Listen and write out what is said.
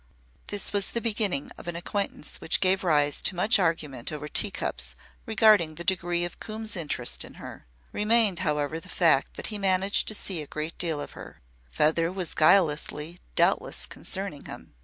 This was the beginning of an acquaintance which gave rise to much argument over tea cups regarding the degree of Coombe's interest in her. Remained, however, the fact that he managed to see a great deal of her. Feather was guilelessly doubtless concerning him.